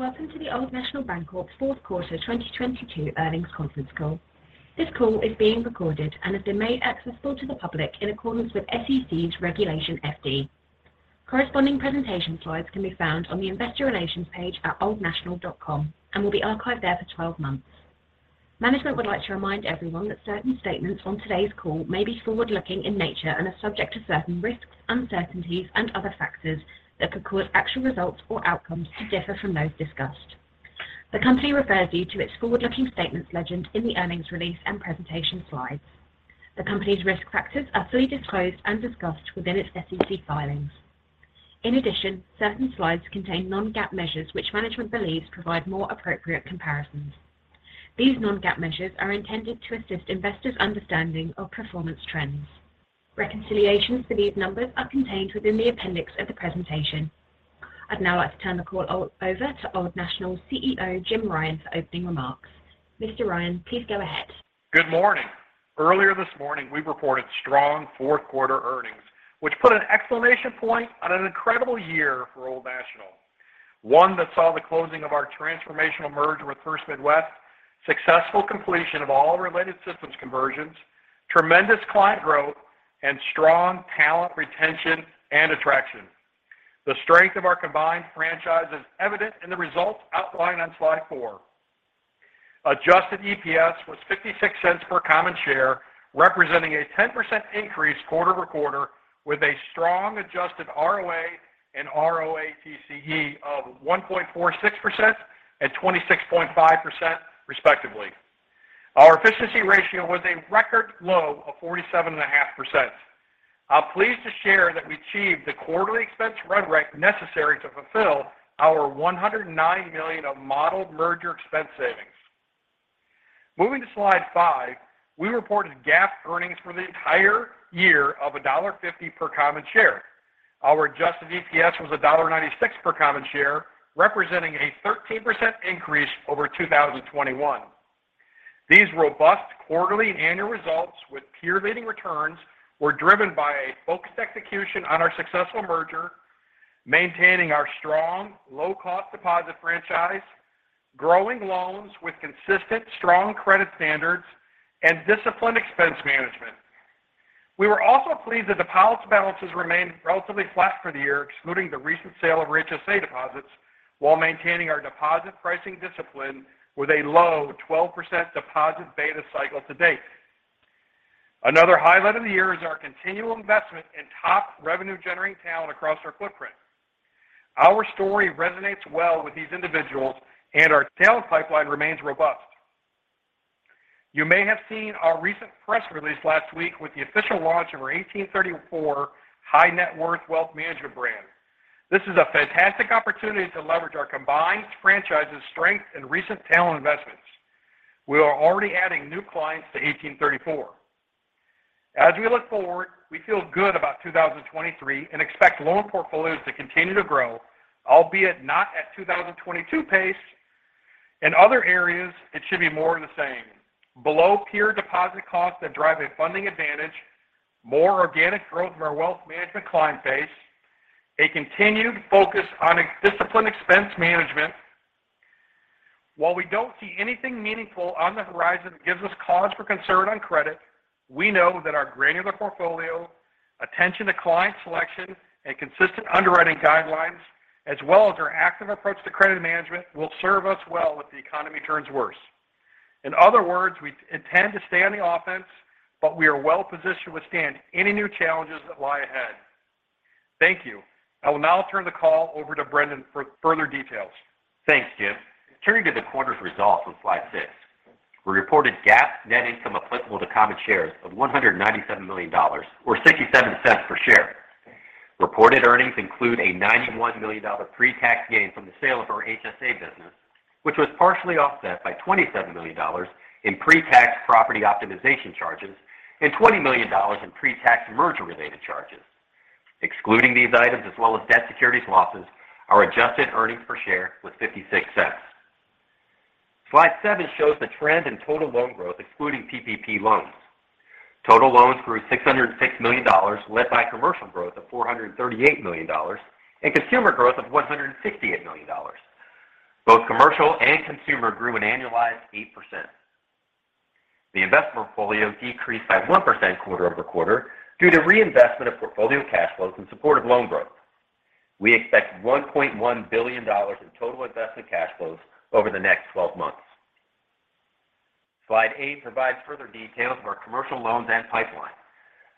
Welcome to the Old National Bancorp Q4 2022 earnings conference call. This call is being recorded and has been made accessible to the public in accordance with SEC's Regulation FD. Corresponding presentation slides can be found on the investor relations page at oldnational.com and will be archived there for 12 months. Management would like to remind everyone that certain statements on today's call may be forward-looking in nature and are subject to certain risks, uncertainties, and other factors that could cause actual results or outcomes to differ from those discussed. The company refers you to its forward-looking statements legend in the earnings release and presentation slides. The company's risk factors are fully disclosed and discussed within its SEC filings. In addition, certain slides contain non-GAAP measures which management believes provide more appropriate comparisons. These non-GAAP measures are intended to assist investors' understanding of performance trends. Reconciliations for these numbers are contained within the appendix of the presentation. I'd now like to turn the call over to Old National CEO, Jim Ryan, for opening remarks. Mr. Ryan, please go ahead. Good morning. Earlier this morning, we reported strong Q4 earnings, which put an exclamation point on an incredible year for Old National. One that saw the closing of our transformational merger with First Midwest, successful completion of all related systems conversions, tremendous client growth, and strong talent retention and attraction. The strength of our combined franchise is evident in the results outlined on slide four. Adjusted EPS was $0.56 per common share, representing a 10% increase quarter-over-quarter, with a strong adjusted ROA and ROATCE of 1.46% and 26.5% respectively. Our efficiency ratio was a record low of 47.5%. I'm pleased to share that we achieved the quarterly expense run rate necessary to fulfill our $109 million of modeled merger expense savings. Moving to slide five, we reported GAAP earnings for the entire year of $1.50 per common share. Our adjusted EPS was $1.96 per common share, representing a 13% increase over 2021. These robust quarterly and annual results with peer-leading returns were driven by a focused execution on our successful merger, maintaining our strong low-cost deposit franchise, growing loans with consistent strong credit standards, and disciplined expense management. We were also pleased that deposit balances remained relatively flat for the year, excluding the recent sale of our HSA deposits while maintaining our deposit pricing discipline with a low 12% deposit beta cycle to date. Another highlight of the year is our continual investment in top revenue-generating talent across our footprint. Our story resonates well with these individuals and our talent pipeline remains robust. You may have seen our recent press release last week with the official launch of our 1834 high net worth wealth management brand. This is a fantastic opportunity to leverage our combined franchise's strength and recent talent investments. We are already adding new clients to 1834. As we look forward, we feel good about 2023 and expect loan portfolios to continue to grow, albeit not at 2022 pace. In other areas, it should be more of the same. Below peer deposit costs that drive a funding advantage, more organic growth from our wealth management client base, a continued focus on ex-discipline expense management. While we don't see anything meaningful on the horizon that gives us cause for concern on credit, we know that our granular portfolio, attention to client selection, and consistent underwriting guidelines, as well as our active approach to credit management, will serve us well if the economy turns worse. In other words, we intend to stay on the offense, but we are well-positioned to withstand any new challenges that lie ahead. Thank you. I will now turn the call over to Brendon for further details. Thanks, Jim. Turning to the quarter's results on slide six. We reported GAAP net income applicable to common shares of $197 million or $0.67 per share. Reported earnings include a $91 million pre-tax gain from the sale of our HSA business, which was partially offset by $27 million in pre-tax property optimization charges and $20 million in pre-tax merger-related charges. Excluding these items as well as debt securities losses, our adjusted earnings per share was $0.56. Slide seven shows the trend in total loan growth excluding PPP loans. Total loans grew $606 million, led by commercial growth of $438 million and consumer growth of $168 million. Both commercial and consumer grew an annualized 8%. The investment portfolio decreased by 1% quarter-over-quarter due to reinvestment of portfolio cash flows in support of loan growth. We expect $1.1 billion in total investment cash flows over the next 12 months. Slide eight provides further details of our commercial loans and pipeline.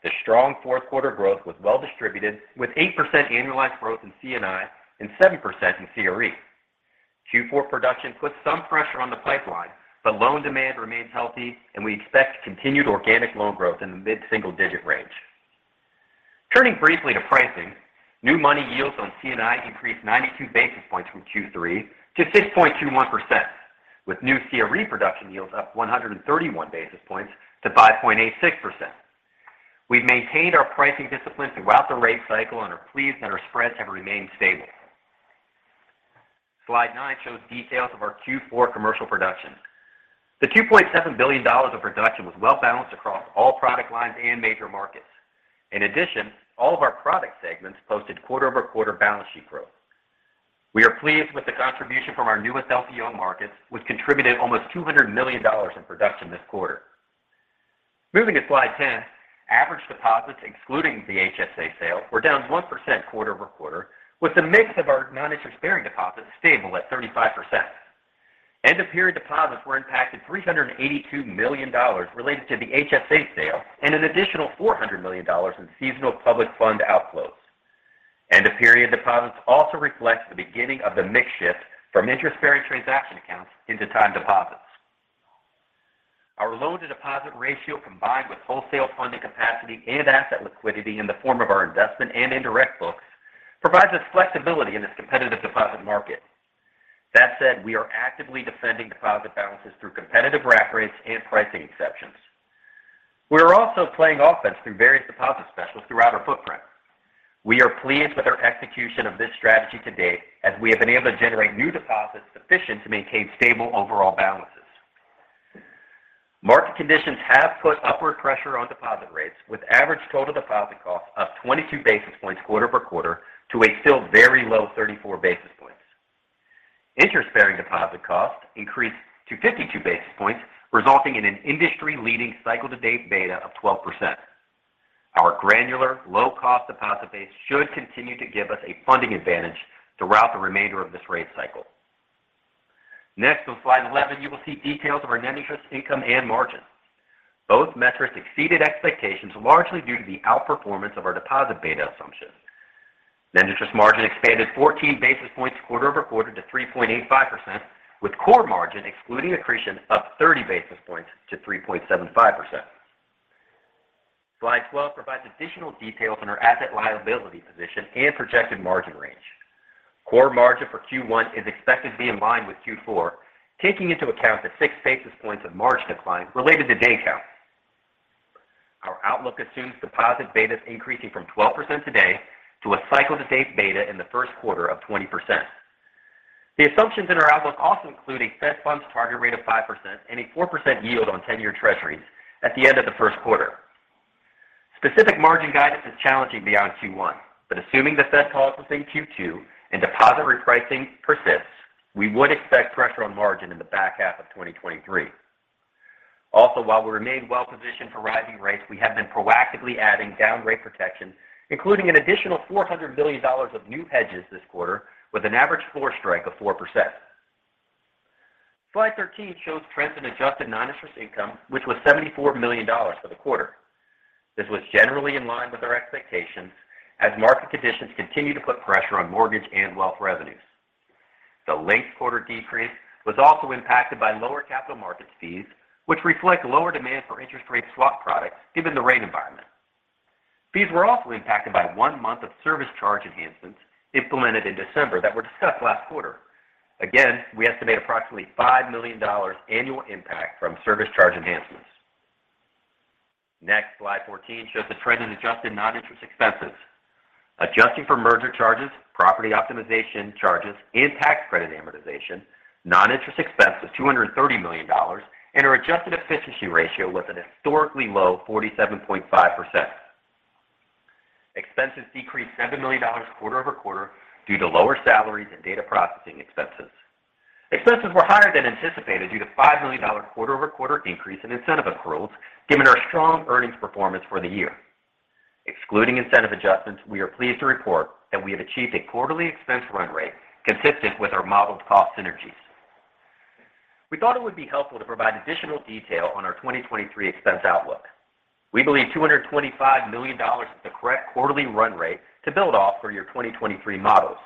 The strong Q4 growth was well distributed with 8% annualized growth in C&I and 7% in CRE. Q4 production puts some pressure on the pipeline, but loan demand remains healthy and we expect continued organic loan growth in the mid-single-digit range. Turning briefly to pricing, new money yields on C&I increased 92 basis points from Q3 to 6.21%, with new CRE production yields up 131 basis points to 5.86%. We've maintained our pricing discipline throughout the rate cycle and are pleased that our spreads have remained stable. Slide nine shows details of our Q4 commercial production. The $2.7 billion of production was well balanced across all product lines and major markets. In addition, all of our product segments posted quarter-over-quarter balance sheet growth. We are pleased with the contribution from our newest LPO markets, which contributed almost $200 million in production this quarter. Moving to slide 10, average deposits excluding the HSA sale were down 1% quarter-over-quarter, with the mix of our non-interest bearing deposits stable at 35%. End of period deposits were impacted $382 million related to the HSA sale and an additional $400 million in seasonal public fund outflows. End of period deposits also reflect the beginning of the mix shift from interest-bearing transaction accounts into time deposits. Our loan to deposit ratio, combined with wholesale funding capacity and asset liquidity in the form of our investment and indirect books, provides us flexibility in this competitive deposit market. That said, we are actively defending deposit balances through competitive rack rates and pricing exceptions. We are also playing offense through various deposit specials throughout our footprint. We are pleased with our execution of this strategy to date as we have been able to generate new deposits sufficient to maintain stable overall balances. Market conditions have put upward pressure on deposit rates with average total deposit costs up 22 basis points quarter-over-quarter to a still very low 34 basis points. Interest bearing deposit costs increased to 52 basis points, resulting in an industry-leading cycle to date beta of 12%. Our granular low cost deposit base should continue to give us a funding advantage throughout the remainder of this rate cycle. Next, on slide 11, you will see details of our net interest income and margins. Both metrics exceeded expectations, largely due to the outperformance of our deposit beta assumptions. Net interest margin expanded 14 basis points quarter-over-quarter to 3.85%, with core margin excluding accretion up 30 basis points to 3.75%. Slide 12 provides additional details on our asset liability position and projected margin range. Core margin for Q1 is expected to be in line with Q4, taking into account the 6 basis points of margin decline related to day count. Our outlook assumes deposit betas increasing from 12% today to a cycle to date beta in Q1 of 20%. The assumptions in our outlook also include a Fed funds target rate of 5% and a 4% yield on 10-year treasuries at the end of. Specific margin guidance is challenging beyond Q1. Assuming the Fed pauses in Q2 and deposit repricing persists, we would expect pressure on margin in the back half of 2023. While we remain well positioned for rising rates, we have been proactively adding down rate protection, including an additional $400 billion of new hedges this quarter with an average floor strike of 4%. Slide 13 shows trends in adjusted non-interest income, which was $74 million for the quarter. This was generally in line with our expectations as market conditions continue to put pressure on mortgage and wealth revenues. The linked quarter decrease was also impacted by lower capital markets fees, which reflect lower demand for interest rate swap products given the rate environment. Fees were also impacted by one month of service charge enhancements implemented in December that were discussed last quarter. We estimate approximately $5 million annual impact from service charge enhancements. Slide 14 shows the trend in adjusted non-interest expenses. Adjusting for merger charges, property optimization charges, and tax credit amortization, non-interest expense was $230 million and our adjusted efficiency ratio was a historically low 47.5%. Expenses decreased $7 million quarter-over-quarter due to lower salaries and data processing expenses. Expenses were higher than anticipated due to a $5 million quarter-over-quarter increase in incentive accruals given our strong earnings performance for the year. Excluding incentive adjustments, we are pleased to report that we have achieved a quarterly expense run rate consistent with our modeled cost synergies. We thought it would be helpful to provide additional detail on our 2023 expense outlook. We believe $225 million is the correct quarterly run rate to build off for your 2023 models.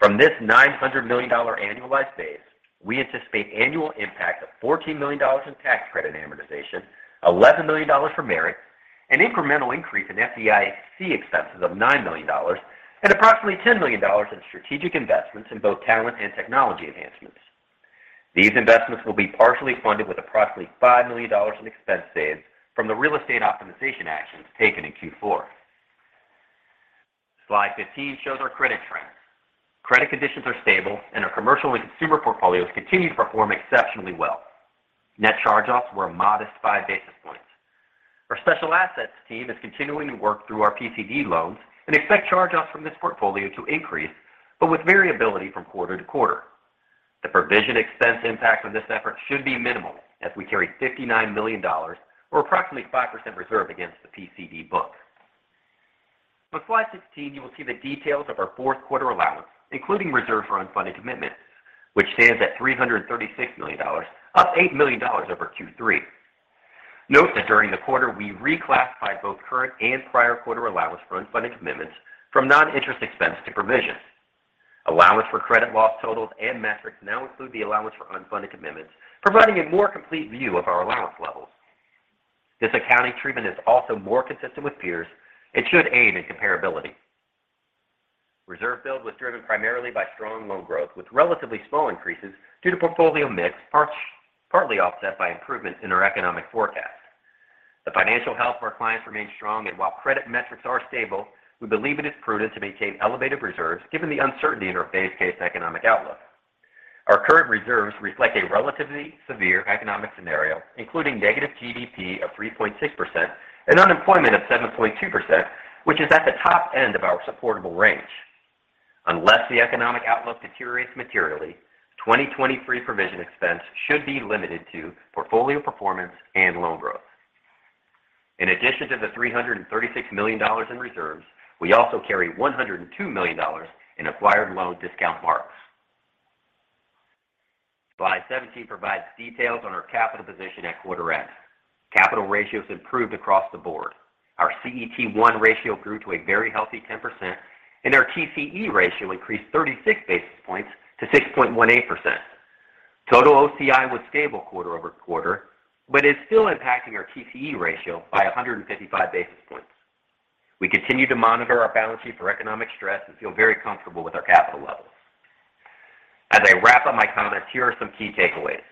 From this $900 million annualized base, we anticipate annual impact of $14 million in tax credit amortization, $11 million for Merit, an incremental increase in FDIC expenses of $9 million and approximately $10 million in strategic investments in both talent and technology enhancements. These investments will be partially funded with approximately $5 million in expense saves from the real estate optimization actions taken in Q4. Slide 15 shows our credit trends. Credit conditions are stable and our commercial and consumer portfolios continue to perform exceptionally well. Net charge-offs were a modest 5 basis points. Our special assets team is continuing to work through our PCD loans and expect charge-offs from this portfolio to increase, but with variability from quarter-to-quarter. The provision expense impact of this effort should be minimal as we carry $59 million or approximately 5% reserve against the PCD book. On slide 16, you will see the details of our Q4 allowance, including reserve for unfunded commitments, which stands at $336 million, up $8 million over Q3. Note that during the quarter we reclassified both current and prior quarter allowance for unfunded commitments from non-interest expense to provision. Allowance for credit loss totals and metrics now include the allowance for unfunded commitments, providing a more complete view of our allowance levels. This accounting treatment is also more consistent with peers and should aid in comparability. Reserve build was driven primarily by strong loan growth with relatively small increases due to portfolio mix, partly offset by improvements in our economic forecast. The financial health of our clients remains strong, while credit metrics are stable, we believe it is prudent to maintain elevated reserves given the uncertainty in our base case economic outlook. Our current reserves reflect a relatively severe economic scenario, including negative GDP of 3.6% and unemployment of 7.2%, which is at the top end of our supportable range. Unless the economic outlook deteriorates materially, 2023 provision expense should be limited to portfolio performance and loan growth. In addition to the $336 million in reserves, we also carry $102 million in acquired loan discount marks. Slide 17 provides details on our capital position at quarter-end. Capital ratios improved across the board. Our CET1 ratio grew to a very healthy 10%, and our TCE ratio increased 36 basis points to 6.18%. Total OCI was stable quarter-over-quarter, but is still impacting our TCE ratio by 155 basis points. We continue to monitor our balance sheet for economic stress and feel very comfortable with our capital levels. As I wrap up my comments, here are some key takeaways.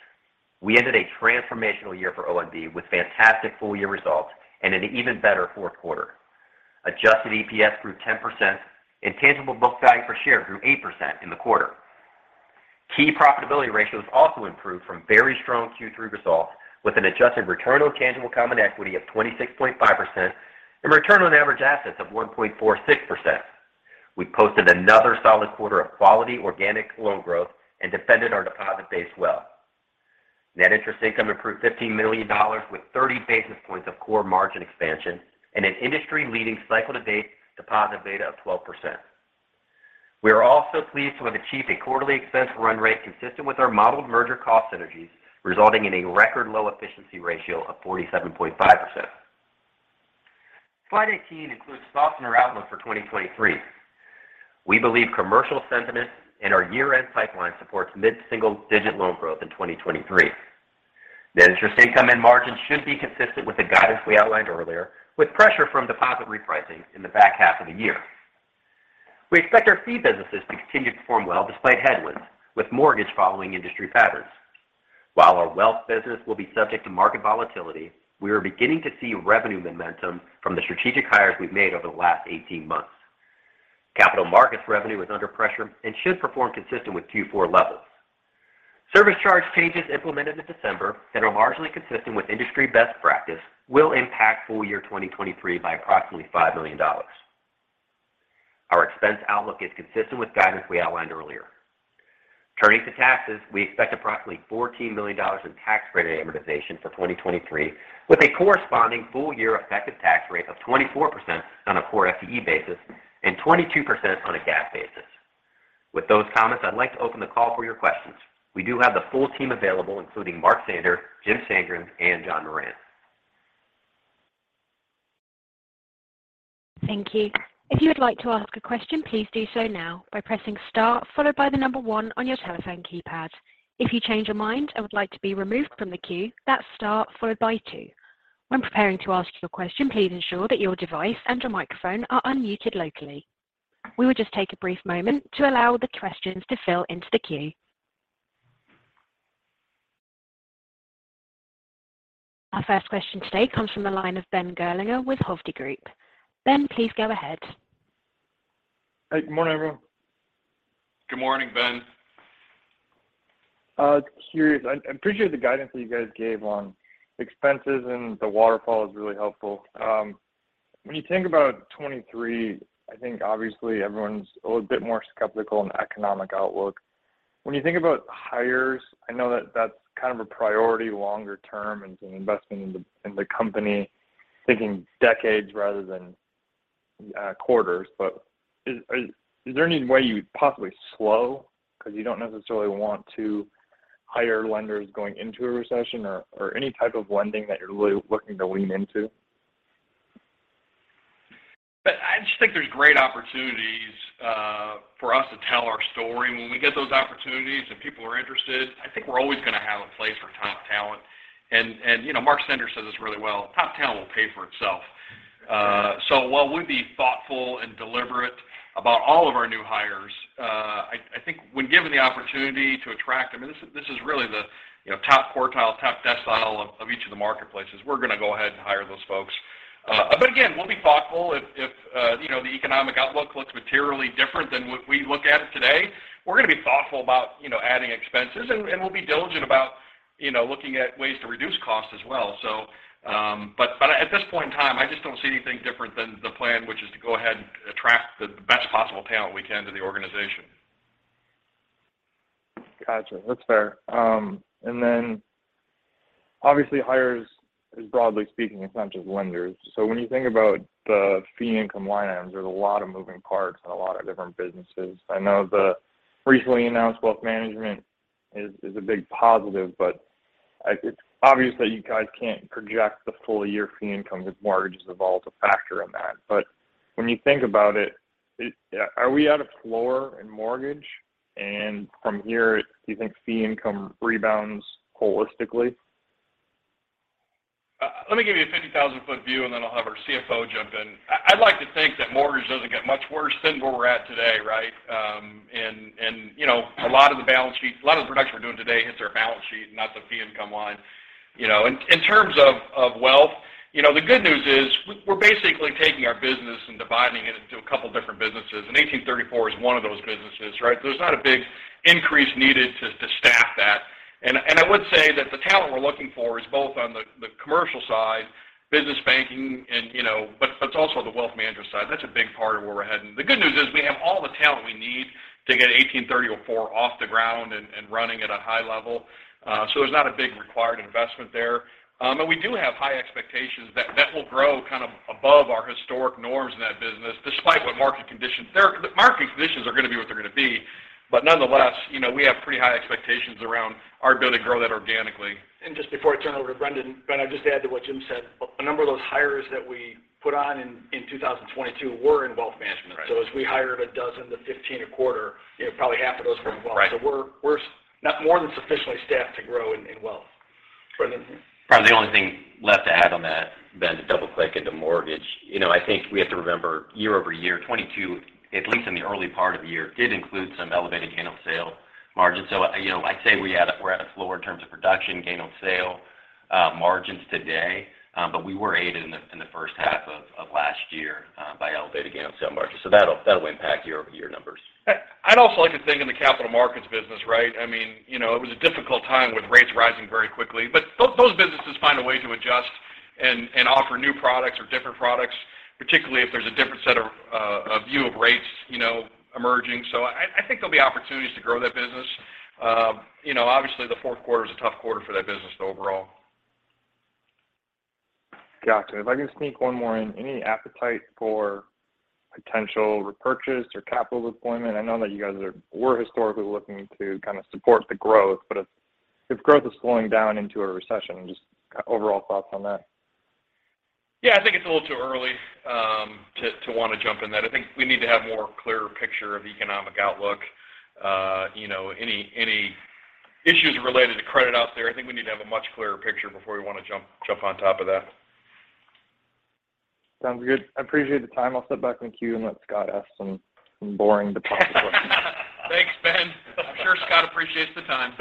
We ended a transformational year for ONB with fantastic full year results and an even better Q4. Adjusted EPS grew 10% and tangible book value per share grew 8% in the quarter. Key profitability ratios also improved from very strong Q3 results with an adjusted return on tangible common equity of 26.5% and return on average assets of 1.46%. We posted another solid quarter of quality organic loan growth and defended our deposit base well. Net interest income improved $15 million with 30 basis points of core margin expansion and an industry-leading cycle to date deposit beta of 12%. We are also pleased to have achieved a quarterly expense run rate consistent with our modeled merger cost synergies, resulting in a record low efficiency ratio of 47.5%. Slide 18 includes thoughts on our outlook for 2023. We believe commercial sentiment and our year-end pipeline supports mid-single digit loan growth in 2023. Net interest income and margins should be consistent with the guidance we outlined earlier, with pressure from deposit repricing in the back half of the year. We expect our fee businesses to continue to perform well despite headwinds, with mortgage following industry patterns. While our wealth business will be subject to market volatility, we are beginning to see revenue momentum from the strategic hires we've made over the last 18 months. Capital markets revenue is under pressure and should perform consistent with Q4 levels. Service charge changes implemented in December that are largely consistent with industry best practice will impact full year 2023 by approximately $5 million. Our expense outlook is consistent with guidance we outlined earlier. Turning to taxes, we expect approximately $14 million in tax credit amortization for 2023, with a corresponding full year effective tax rate of 24% on a core FTE basis and 22% on a GAAP basis. With those comments, I'd like to open the call for your questions. We do have the full team available, including Mark Sander, Jim Sandgren, and Brendon Falconer. Thank you. If you would like to ask a question, please do so now by pressing star followed by the number one on your telephone keypad. If you change your mind and would like to be removed from the queue, that's star followed by two. When preparing to ask your question, please ensure that your device and your microphone are unmuted locally. We will just take a brief moment to allow the questions to fill into the queue. Our first question today comes from the line of Ben Gerlinger with Hovde Group. Ben, please go ahead. Hey, good morning, everyone. Good morning, Ben. Curious. I appreciate the guidance that you guys gave on expenses, and the waterfall is really helpful. When you think about 23, I think obviously everyone's a little bit more skeptical on the economic outlook. When you think about hires, I know that that's kind of a priority longer term in investing in the company, thinking decades rather than quarters. Is there any way you would possibly slow because you don't necessarily want to hire lenders going into a recession or any type of lending that you're really looking to lean into? I just think there's great opportunities for us to tell our story. When we get those opportunities and people are interested, I think we're always going to have a place for top talent. You know, Mark Sander says this really well. Top talent will pay for itself. While we'd be thoughtful and deliberate about all of our new hires, I think when given the opportunity to attract them, this is really the, you know, top quartile, top decile of each of the marketplaces. We're going to go ahead and hire those folks. Again, we'll be thoughtful if, you know, the economic outlook looks materially different than what we look at today. We're going to be thoughtful about, you know, adding expenses, and we'll be diligent about, you know, looking at ways to reduce costs as well, so. At this point in time, I just don't see anything different than the plan, which is to go ahead and attract the best possible talent we can to the organization. Gotcha. That's fair. Obviously hires is broadly speaking, in terms of lenders. When you think about the fee income line items, there's a lot of moving parts and a lot of different businesses. I know the recently announced wealth management is a big positive, it's obvious that you guys can't project the full year fee income with mortgages involved a factor in that. When you think about it, are we at a floor in mortgage? From here, do you think fee income rebounds holistically? Let me give you a 50,000-foot view, then I'll have our CFO jump in. I'd like to think that mortgage doesn't get much worse than where we're at today, right? You know, a lot of the production we're doing today hits our balance sheet, not the fee income line. You know, in terms of wealth, you know, the good news is we're basically taking our business and dividing it into a couple different businesses, 1834 is one of those businesses, right? There's not a big increase needed to staff that. I would say that the talent we're looking for is both on the commercial side, business banking and, you know, but it's also the wealth management side. That's a big part of where we're heading. The good news is we have all the talent we need to get 1834 off the ground and running at a high level. There's not a big required investment there. We do have high expectations that will grow kind of above our historic norms in that business despite what market conditions. The market conditions are going to be what they're going to be. Nonetheless, you know, we have pretty high expectations around our ability to grow that organically. Just before I turn over to Brendon, can I just add to what Jim said? A number of those hires that we put on in 2022 were in wealth management. Right. As we hired a dozen to 15 a quarter, you know, probably half of those were in wealth. Right. we're more than sufficiently staffed to grow in wealth. Brendon. The only thing left to add on that, Ben, to double-click into mortgage. You know, I think we have to remember year-over-year, 22, at least in the early part of the year, did include some elevated gain on sale margins. You know, I'd say we're at a floor in terms of production gain on sale margins today. We were aided in the first half of last year by elevated gain on sale margins. That'll impact year-over-year numbers. I'd also like to think in the capital markets business, right? I mean, you know, it was a difficult time with rates rising very quickly. Those businesses find a way to adjust and offer new products or different products, particularly if there's a different set of a view of rates, you know, emerging. I think there'll be opportunities to grow that business. You know, obviously Q4 is a tough quarter for that business overall. Got you. If I can sneak one more in. Any appetite for potential repurchase or capital deployment? I know that you guys were historically looking to kind of support the growth, but if growth is slowing down into a recession, just kind of overall thoughts on that. I think it's a little too early to want to jump in that. I think we need to have a more clear picture of economic outlook. You know, any issues related to credit out there. I think we need to have a much clearer picture before we want to jump on top of that. Sounds good. I appreciate the time. I'll step back in the queue and let Scott ask some boring deposit questions. Thanks, Ben. I'm sure Scott appreciates the time.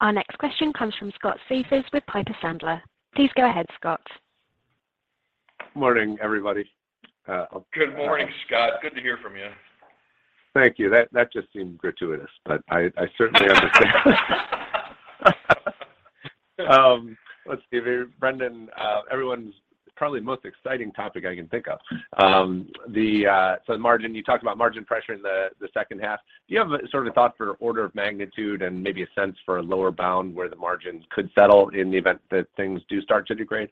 Our next question comes from Scott Siefers with Piper Sandler. Please go ahead, Scott. Morning, everybody. Good morning, Scott. Good to hear from you. Thank you. That just seemed gratuitous, but I certainly understand. Let's see here. Brendon, everyone's probably the most exciting topic I can think of. You talked about margin pressure in the second half. Do you have a sort of a thought for order of magnitude and maybe a sense for a lower bound where the margins could settle in the event that things do start to degrade?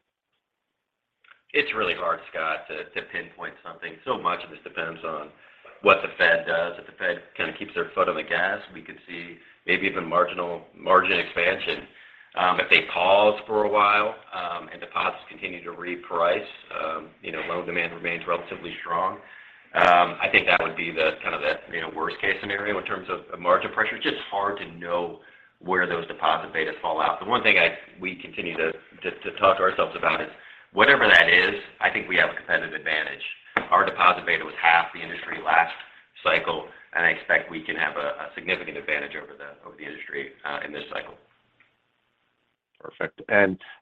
It's really hard, Scott, to pinpoint something. Much of this depends on what the Fed does. If the Fed kind of keeps their foot on the gas, we could see maybe even marginal margin expansion. If they pause for a while, and deposits continue to reprice, you know, loan demand remains relatively strong, I think that would be the kind of the, you know, worst case scenario in terms of margin pressure. It's just hard to know where those deposit betas fall out. The one thing we continue to talk to ourselves about is whatever that is, I think we have a competitive advantage. Our deposit beta was half the industry last cycle, I expect we can have a significant advantage over the industry in this cycle. Perfect.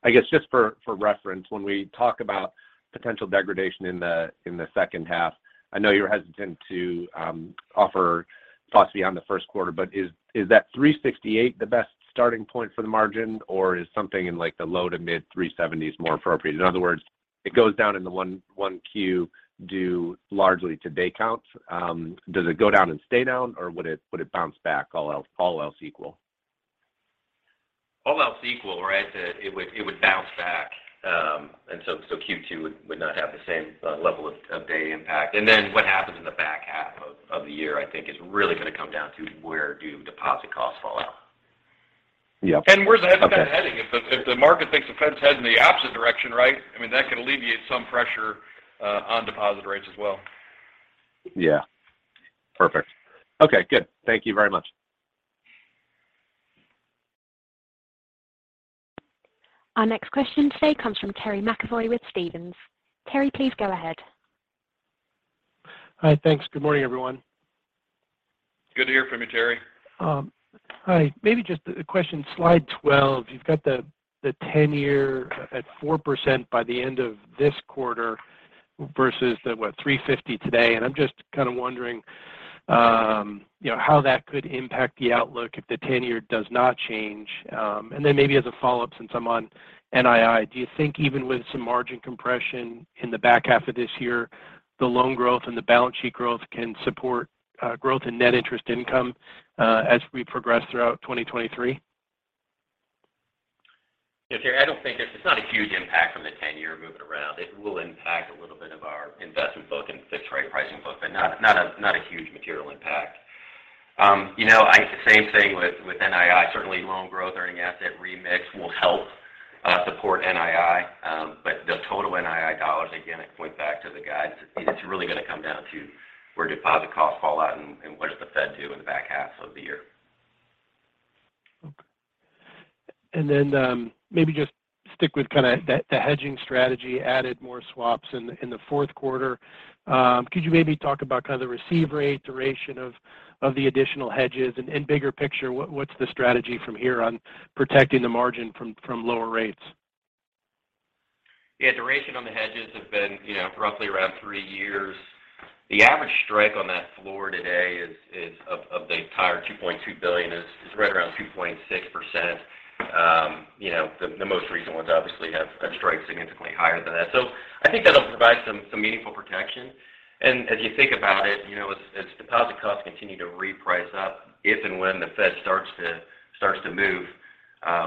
I guess just for reference, when we talk about potential degradation in the, in the second half, I know you're hesitant to offer thoughts beyond Q1, but is that 368 the best starting point for the margin, or is something in like the low to mid 370s more appropriate? In other words, it goes down in the 1Q due largely to day counts. Does it go down and stay down or would it bounce back all else equal? All else equal, right? It would bounce back. Q2 would not have the same level of day impact. What happens in the back half of the year, I think, is really going to come down to where do deposit costs fall out. Yeah. And where is the Fed got to be heading. If the market thinks the Feds heading in the opposite direction, right? I mean, that can alleviate some pressure on deposit rates as well. Yeah. Perfect. Okay, good. Thank you very much. Our next question today comes from Terry McEvoy with Stephens. Terry, please go ahead. Hi. Thanks. Good morning, everyone. Good to hear from you, Terry. Hi. Maybe just a question. Slide 12, you've got the 10-year at 4% by the end of this quarter versus the, what, 3.50% today. I'm just kind of wondering, you know, how that could impact the outlook if the 10-year does not change. Maybe as a follow-up since I'm on NII, do you think even with some margin compression in the back half of this year, the loan growth and the balance sheet growth can support growth in net interest income as we progress throughout 2023? Yeah, Terry, I don't think it's not a huge impact from the 10-year moving around. It will impact a little bit of our investment book and fixed rate pricing book, but not a huge material impact. You know, same thing with NII. Certainly loan growth, earning asset remix will help support NII. The total NII dollars, again, I point back to the guides. It's really going to come down to where deposit costs fall out and what does the Fed do in the back half of the year. Maybe just stick with kind of the hedging strategy added more swaps in Q4. Could you maybe talk about kind of the receive rate duration of the additional hedges and bigger picture what's the strategy from here on protecting the margin from lower rates? Yeah. Duration on the hedges have been, you know, roughly around 3 years. The average strike on that floor today is of the entire $2.2 billion is right around 2.6%. You know, the most recent ones obviously have a strike significantly higher than that. I think that'll provide some meaningful protection. As you think about it, you know, as deposit costs continue to reprice up, if and when the Fed starts to move,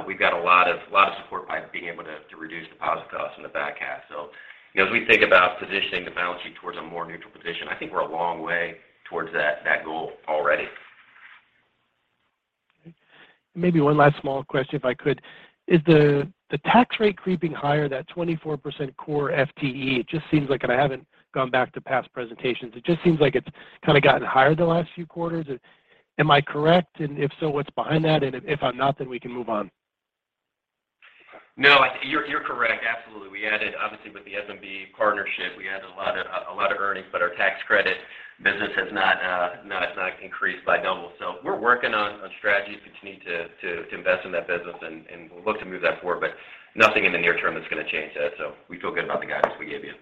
we've got a lot of support by being able to reduce deposit costs in the back half. You know, as we think about positioning the balance sheet towards a more neutral position, I think we're a long way towards that goal already. Okay. Maybe one last small question if I could. Is the tax rate creeping higher, that 24% core FTE? It just seems like, and I haven't gone back to past presentations. It just seems like it's kind of gotten higher the last few quarters. Am I correct? If so, what's behind that? If I'm not, then we can move on. No, I think you're correct. Absolutely. We added, obviously, with the SMB partnership, we added a lot of earnings. Our tax credit business has not increased by double. We're working on strategies to continue to invest in that business and we'll look to move that forward. Nothing in the near term is going to change that. We feel good about the guidance we gave you.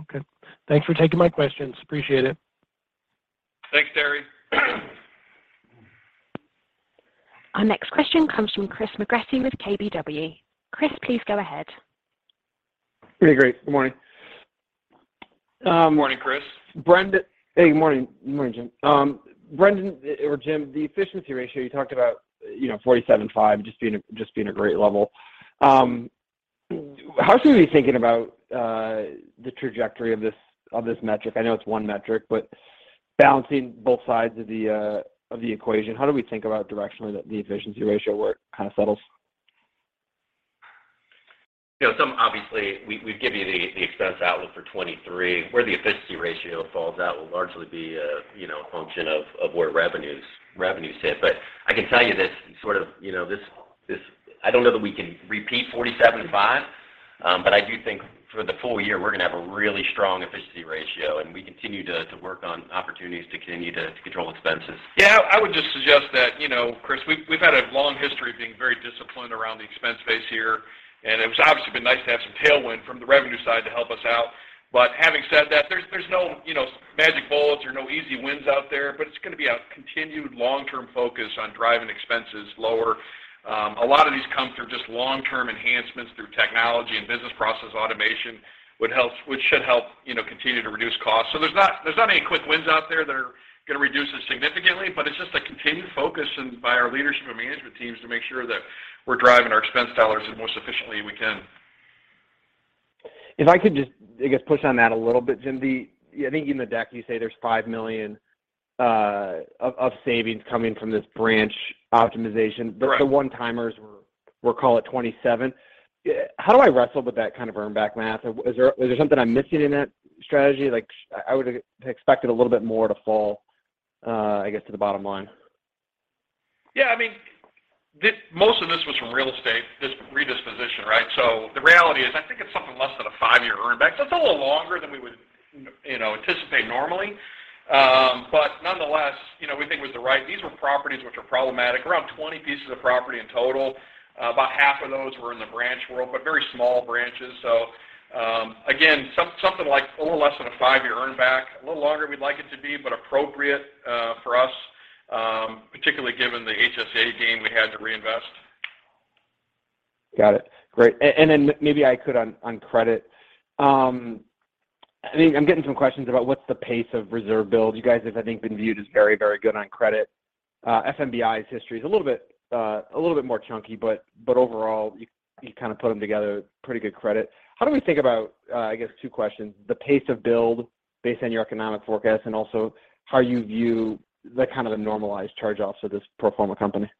Okay. Thanks for taking my questions. Appreciate it. Thanks, Terry. Our next question comes from Chris McGratty with KBW. Chris, please go ahead. Okay, great. Good morning. Good morning, Chris. Brendon. Hey, good morning, Jim. Brendon or Jim, the efficiency ratio you talked about, you know, 47.5% just being a great level. How should we be thinking about the trajectory of this, of this metric? I know it's one metric, but balancing both sides of the equation, how do we think about directionally that the efficiency ratio where it kind of settles? You know, some obviously we've given you the expense outlook for 23. Where the efficiency ratio falls out will largely be a, you know, a function of where revenues hit. I can tell you this sort of, you know, this I don't know that we can repeat 47.5%. I do think for the full year, we're going to have a really strong efficiency ratio, and we continue to work on opportunities to continue to control expenses. Yeah. I would just suggest that, you know, Chris, we've had a long history of being very disciplined around the expense base here, and it was obviously been nice to have some tailwind from the revenue side to help us out. Having said that, there's no, you know, magic bullets or no easy wins out there, but it's going to be a continued long-term focus on driving expenses lower. A lot of these come through just long-term enhancements through technology and business process automation, which should help, you know, continue to reduce costs. There's not any quick wins out there that are going to reduce this significantly, but it's just a continued focus and by our leadership and management teams to make sure that we're driving our expense dollars the most efficiently we can. If I could just, I guess, push on that a little bit, Jim. I think in the deck you say there's $5 million of savings coming from this branch optimization? Right. The one-timers were call it $27. How do I wrestle with that kind of earn back math? Is there something I'm missing in that strategy? Like I would have expected a little bit more to fall, I guess to the bottom line. I mean, most of this was from real estate, this redisposition, right? The reality is, I think it's something less than a 5-year earn back. It's a little longer than we would, you know, anticipate normally. Nonetheless, you know, we think it was the right, these were properties which were problematic, around 20 pieces of property in total. About half of those were in the branch world, but very small branches. Again, something like a little less than a 5-year earn back. A little longer we'd like it to be, but appropriate for us, particularly given the HSA gain we had to reinvest. Got it. Great. Then maybe I could on credit. I think I'm getting some questions about what's the pace of reserve build. You guys have, I think, been viewed as very, very good on credit. FMBI's history is a little bit more chunky, but overall you kind of put them together, pretty good credit. How do we think about, I guess two questions, the pace of build based on your economic forecast and also how you view the kind of the normalized charge-offs of this pro forma company?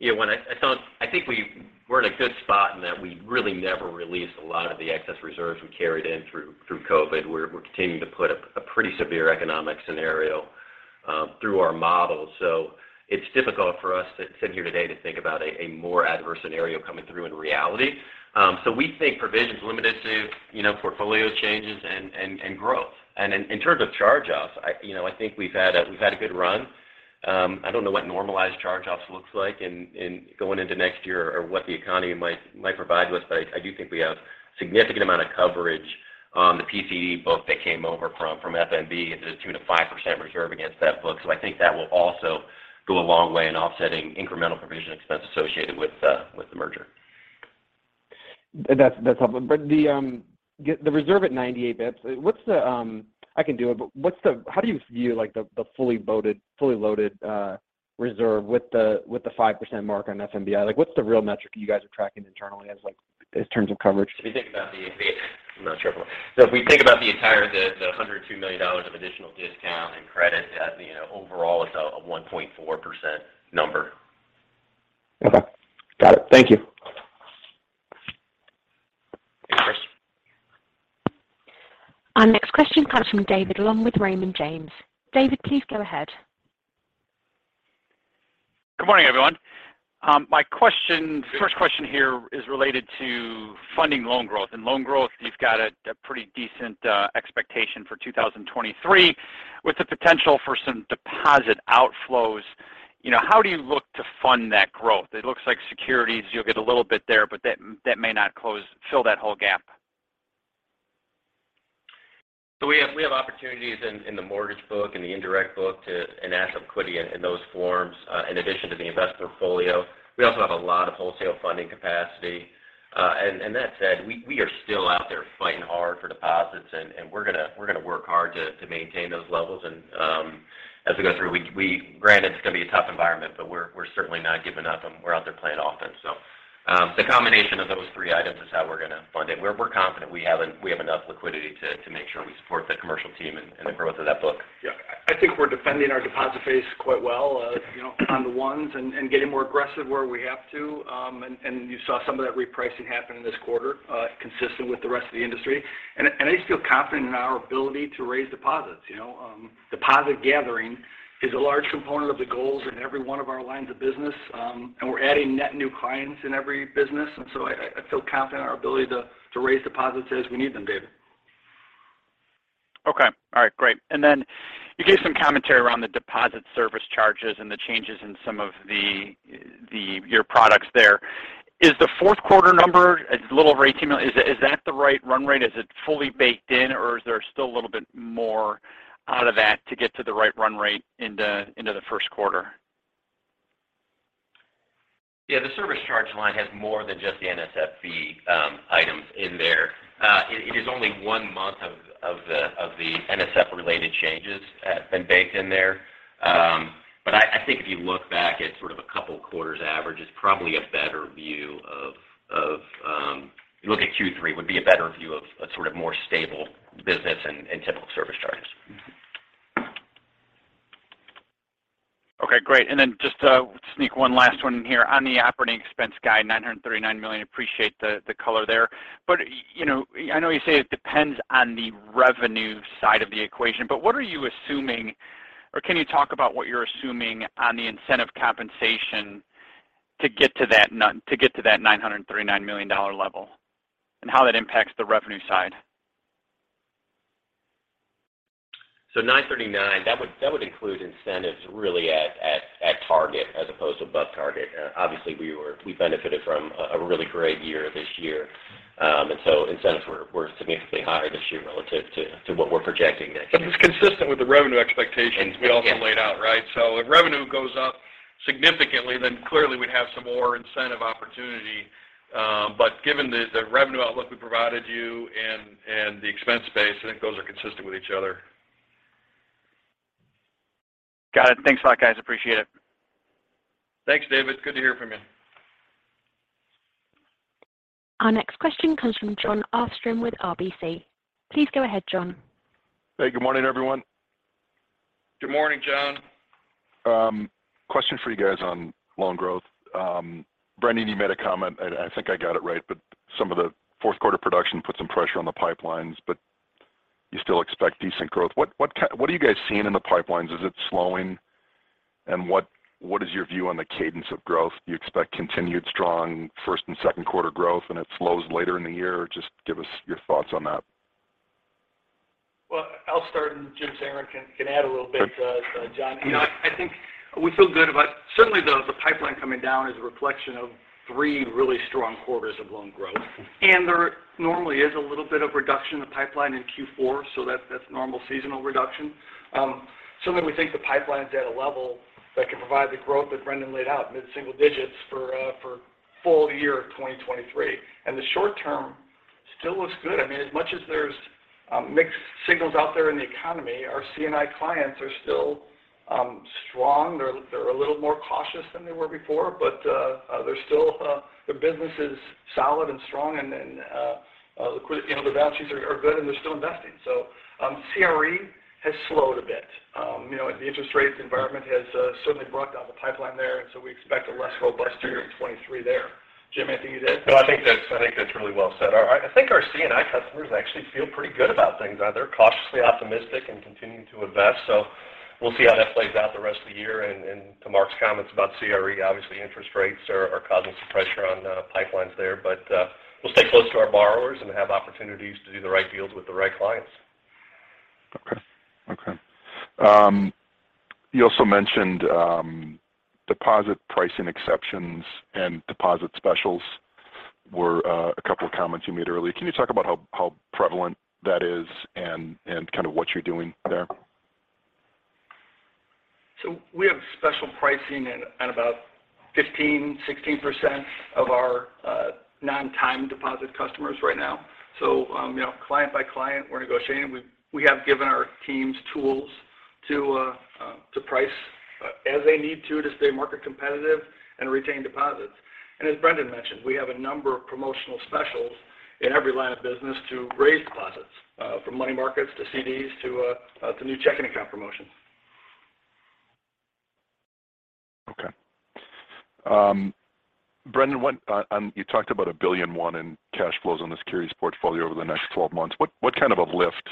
Yeah. When I thought I think we're in a good spot in that we really never released a lot of the excess reserves we carried in through COVID. We're continuing to put a pretty severe economic scenario through our model. It's difficult for us to sit here today to think about a more adverse scenario coming through in reality. We think provision's limited to, you know, portfolio changes and growth. In terms of charge-offs, I, you know, I think we've had a good run. I don't know what normalized charge-offs looks like going into next year or what the economy might provide us, but I do think we have significant amount of coverage on the PCE book that came over from FMBI. It's a 2%-5% reserve against that book. I think that will also go a long way in offsetting incremental provision expense associated with the merger. That's, that's helpful. The reserve at 98 basis points, I can do it, but how do you view like the fully loaded reserve with the 5% mark on FMBI? Like, what's the real metric you guys are tracking internally as like in terms of coverage? If you think about I'm not sure. If we think about the entire, the $102 million of additional discount and credit, you know, overall it's a 1.4% number. Okay. Got it. Thank you. Our next question comes from David, along with Raymond James. David, please go ahead. Good morning, everyone. My question, the first question here is related to funding loan growth. In loan growth, you've got a pretty decent expectation for 2023 with the potential for some deposit outflows. You know, how do you look to fund that growth? It looks like securities, you'll get a little bit there, but that may not fill that whole gap. We have opportunities in the mortgage book, in the indirect book in asset liquidity in those forms, in addition to the invest portfolio. We also have a lot of wholesale funding capacity. That said, we are still out there fighting hard for deposits and we're gonna work hard to maintain those levels. As we go through, granted, it's gonna be a tough environment, but we're certainly not giving up, and we're out there playing offense. The combination of those three items is how we're gonna fund it. We're confident we have enough liquidity to make sure we support the commercial team and the growth of that book. I think we're defending our deposit base quite well, you know, on the ones and getting more aggressive where we have to. You saw some of that repricing happen in this quarter, consistent with the rest of the industry. I, and I just feel confident in our ability to raise deposits, you know. Deposit gathering is a large component of the goals in every one of our lines of business, and we're adding net new clients in every business. I feel confident in our ability to raise deposits as we need them, David. Okay. All right. Great. Then you gave some commentary around the deposit service charges and the changes in some of the your products there. Is Q4 number, it's a little over $18 million, is that the right run rate? Is it fully baked in or is there still a little bit more out of that to get to the right run rate into Q1? Yeah. The service charge line has more than just the NSF fee, items in there. It is only one month of the NSF related changes has been baked in there. I think if you look back at sort of a couple quarters average is probably a better view of. If you look at Q3, would be a better view of a sort of more stable business and typical service charges. Okay, great. Just to sneak one last one in here. On the operating expense guide, $939 million, appreciate the color there. You know, I know you say it depends on the revenue side of the equation, but what are you assuming or can you talk about what you're assuming on the incentive compensation to get to that $939 million level and how that impacts the revenue side? $939, that would include incentives really at target as opposed to above target. Obviously, we benefited from a really great year this year. Incentives were significantly higher this year relative to what we're projecting next year. It was consistent with the revenue expectations we also laid out, right? Yes. If revenue goes up significantly, then clearly we'd have some more incentive opportunity. But given the revenue outlook we provided you and the expense base, I think those are consistent with each other. Got it. Thanks a lot, guys. Appreciate it. Thanks, David. Good to hear from you. Our next question comes from Jon Arfstrom with RBC. Please go ahead, John. Hey. Good morning, everyone. Good morning, Jon. Question for you guys on loan growth. Brendon, you made a comment, I think I got it right, but some of Q4 production put some pressure on the pipelines, but you still expect decent growth. What are you guys seeing in the pipelines? Is it slowing? What is your view on the cadence of growth? Do you expect continued strong Q1 and Q2 growth and it slows later in the year? Just give us your thoughts on that. Well, I'll start and Jim Sandgren can add a little bit, Jon. You know, I think we feel good about certainly the pipeline coming down is a reflection of three really strong quarters of loan growth. There normally is a little bit of reduction in the pipeline in Q4, so that's normal seasonal reduction. Certainly we think the pipeline's at a level that can provide the growth that Brendon laid out, mid-single digits for full year of 2023. The short term still looks good. I mean, as much as there's mixed signals out there in the economy, our C&I clients are still strong. They're a little more cautious than they were before. They're still their business is solid and strong and liquid, you know, their balances are good and they're still investing. CRE has slowed a bit. You know, the interest rates environment has certainly brought down the pipeline there. We expect a less robust year in 23 there. Jim, anything you'd add? I think that's really well said. I think our C&I customers actually feel pretty good about things. They're cautiously optimistic and continuing to invest. We'll see how that plays out the rest of the year. To Mark's comments about CRE, obviously interest rates are causing some pressure on the pipelines there. We'll stay close to our borrowers and have opportunities to do the right deals with the right clients. Okay. Okay. You also mentioned deposit pricing exceptions and deposit specials were a couple of comments you made earlier. Can you talk about how prevalent that is and kind of what you're doing there? We have special pricing in about 15%-16% of our non-time deposit customers right now. You know, client by client, we're negotiating. We have given our teams tools to price as they need to stay market competitive and retain deposits. As Brendon mentioned, we have a number of promotional specials in every line of business to raise deposits, from money markets to CDs to new checking account promotions. Brendon, you talked about $1,000,000,001 in cash flows on this curious portfolio over the next 12 months. What kind of a lift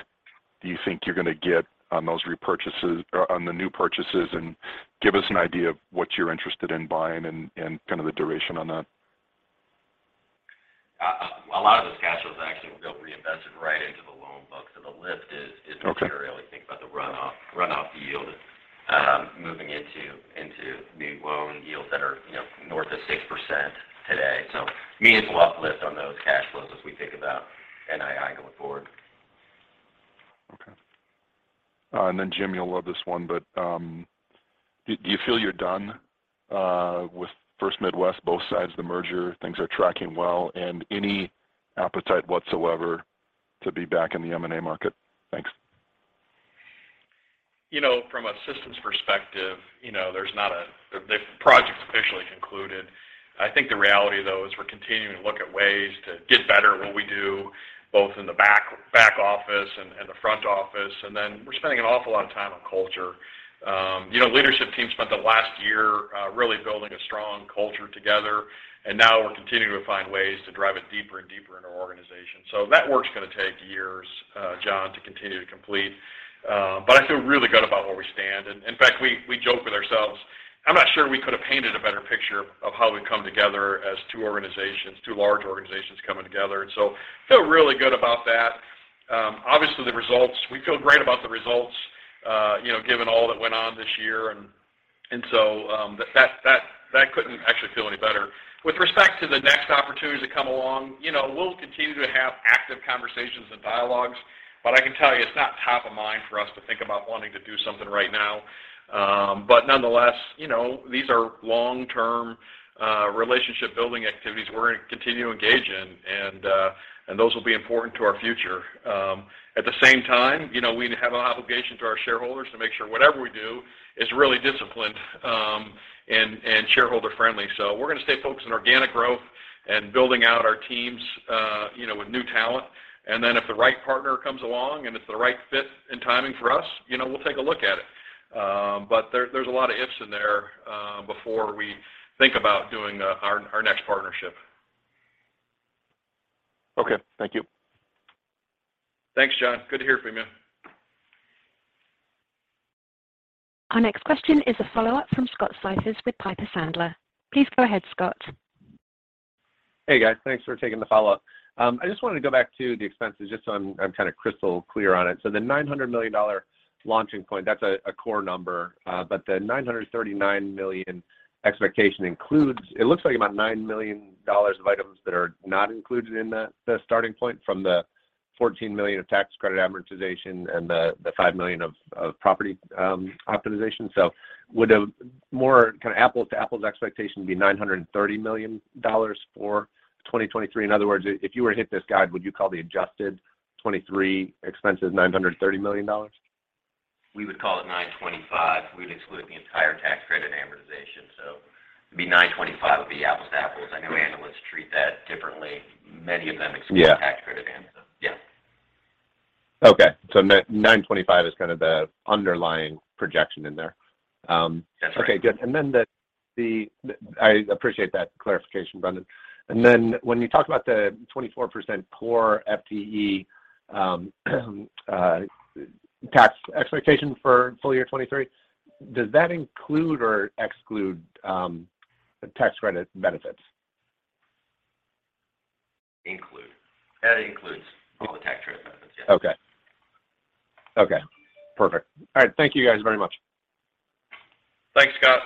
do you think you're gonna get on those repurchases or on the new purchases? Give us an idea of what you're interested in buying and kind of the duration on that. A lot of those cash flows actually will get reinvested right into the loan book. The lift is material. We think about the runoff yield, moving into new loan yields that are, you know, north of 6% today. Meaningful uplift on those cash flows as we think about NII going forward. Okay. Jim, you'll love this one. Do you feel you're done with First Midwest, both sides of the merger, things are tracking well and any appetite whatsoever to be back in the M&A market? Thanks. You know, from a systems perspective, you know, there's not the project's officially concluded. I think the reality, though, is we're continuing to look at ways to get better at what we do, both in the back office and the front office. We're spending an awful lot of time on culture. You know, leadership team spent the last year really building a strong culture together, and now we're continuing to find ways to drive it deeper and deeper into our organization. That work's gonna take years, Jon, to continue to complete. But I feel really good about where we stand. In fact, we joke with ourselves. I'm not sure we could have painted a better picture of how we've come together as 2 organizations, 2 large organizations coming together. Feel really good about that. Obviously, we feel great about the results, you know, given all that went on this year. That couldn't actually feel any better. With respect to the next opportunities that come along, you know, we'll continue to have active conversations and dialogues, but I can tell you it's not top of mind for us to think about wanting to do something right now. Nonetheless, you know, these are long-term, relationship building activities we're going to continue to engage in, and those will be important to our future. At the same time, you know, we have an obligation to our shareholders to make sure whatever we do is really disciplined, and shareholder friendly. We're gonna stay focused on organic growth and building out our teams, you know, with new talent. If the right partner comes along and it's the right fit and timing for us, you know, we'll take a look at it. There's a lot of ifs in there, before we think about doing, our next partnership. Okay. Thank you. Thanks, John. Good to hear from you. Our next question is a follow-up from Scott Siefers with Piper Sandler. Please go ahead, Scott. Hey, guys. Thanks for taking the follow-up. I just wanted to go back to the expenses just so I'm kind of crystal clear on it. The $900 million launching point, that's a core number. The $939 million expectation includes, it looks like about $9 million of items that are not included in the starting point from the $14 million of tax credit amortization and the $5 million of property optimization. Would a more kind of apples to apples expectation be $930 million for 2023? In other words, if you were to hit this guide, would you call the adjusted 2023 expenses $930 million? We would call it $0.925. We would exclude the entire tax credit amortization. It'd be $0.925 would be apples to apples. I know analysts treat that differently. Yeah. Exclude tax credit yeah. Okay. $9.25 million is kind of the underlying projection in there. That's right. Okay, good. I appreciate that clarification, Brendon. Sure. When you talk about the 24% core FTE, tax expectation for full year 2023, does that include or exclude the tax credit benefits? Include. That includes all the tax credit benefits, yes. Okay. Okay, perfect. All right. Thank you, guys, very much. Thanks, Scott.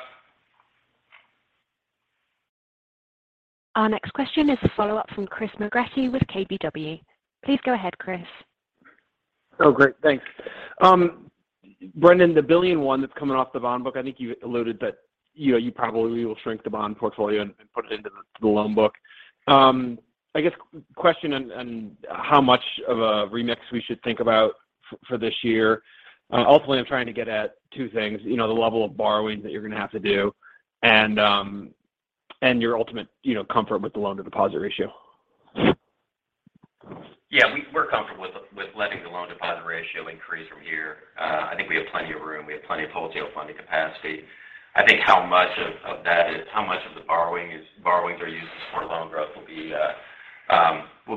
Our next question is a follow-up from Chris McGratty with KBW. Please go ahead, Chris. Oh, great. Thanks. Brendon, the $1 billion that's coming off the bond book, I think you alluded that, you know, you probably will shrink the bond portfolio and put it into the loan book. I guess, question on how much of a remix we should think about for this year. Ultimately, I'm trying to get at two things. You know, the level of borrowing that you're gonna have to do and your ultimate, you know, comfort with the loan to deposit ratio. Yeah. We're comfortable with letting the loan deposit ratio increase from here. I think we have plenty of room. We have plenty of wholesale funding capacity. I think how much of that borrowings are used for loan growth will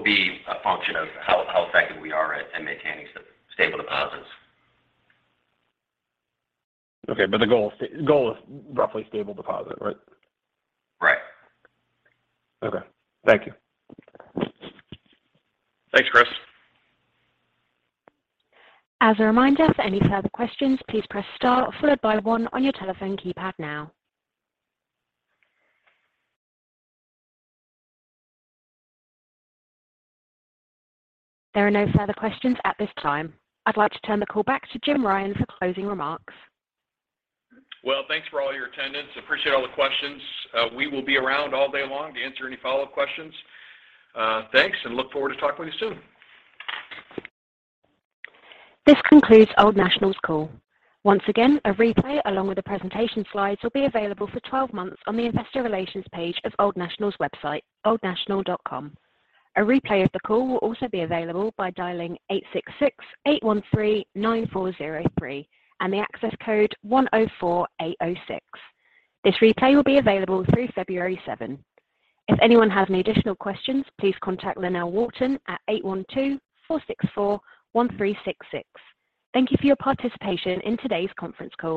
be a function of how effective we are at maintaining stable deposits. Okay. The goal is roughly stable deposit, right? Right. Okay. Thank you. Thanks, Chris. As a reminder, for any further questions, please press star followed by one on your telephone keypad now. There are no further questions at this time. I'd like to turn the call back to Jim Ryan for closing remarks. Well, thanks for all your attendance. Appreciate all the questions. We will be around all day long to answer any follow-up questions. Thanks, and look forward to talking with you soon. This concludes Old National's call. Once again, a replay along with the presentation slides will be available for 12 months on the investor relations page of Old National's website, oldnational.com. A replay of the call will also be available by dialing 866-813-9403 and the access code 104806. This replay will be available through February 7. If anyone has any additional questions, please contact Lynell Walton at 812-464-1366. Thank you for your participation in today's conference call.